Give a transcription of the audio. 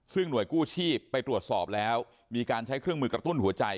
ซึ่งหน่วยกู้ชีพไปตรวจสอบแล้วมีการใช้เครื่องมือกระตุ้นหัวใจ